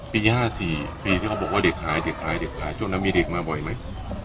ปี๕๔ที่เค้าบอกว่าเด็กหายเด็กหายจงนั้นมีเด็กมาบ่อยไหม